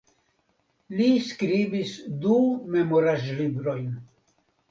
Li skribis du memoraĵlibrojn.